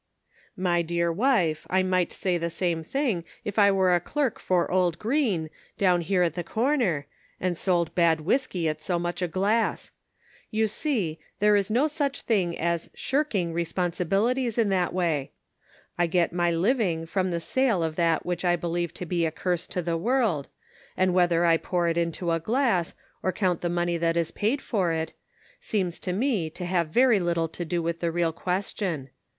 " My dear wife, I might say the same thing if I were a clerk for old Green, down here at the corner, and sold bad whiskey at so much a glass. You see, there is no such thing as shirking responsibilities in that way. I get my living from the sale of that which I believe to be a curse to the world, and whether I pour it into a glass, or count the money that is paid Measuring Responsibility. 399 for it, seems to me to have very little to do with the real question.